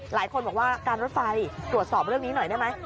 หลายคนบอกว่าการรถไฟตรวจสอบเรื่องนี้หน่อยได้ไหม